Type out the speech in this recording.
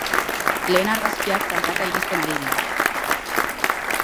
Lehen argazkiak tantaka iristen ari dira.